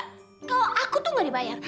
kalau aku tuh gak dibayar